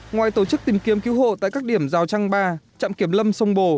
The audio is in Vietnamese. ngoài tổ chức tìm kiếm cứu hộ tại các điểm giao trang ba trạm kiểm lâm sông bồ